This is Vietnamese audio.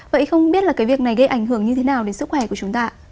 vậy không biết là cái việc này gây ảnh hưởng như thế nào đến sức khỏe của chúng ta